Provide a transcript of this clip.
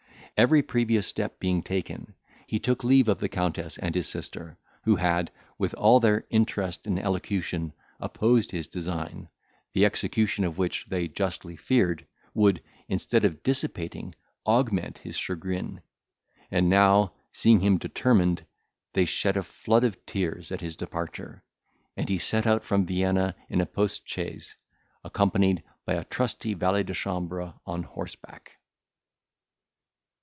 Every previous step being taken, he took leave of the Countess and his sister, who had, with all their interest and elocution, opposed his design, the execution of which, they justly feared, would, instead of dissipating, augment his chagrin; and now, seeing him determined, they shed a flood of tears at his departure, and he set out from Vienna in a post chaise, accompanied by a trusty valet de chambre on horseback.